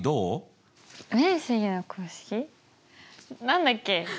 何だっけ？